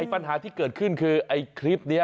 ปัญหาที่เกิดขึ้นคือไอ้คลิปนี้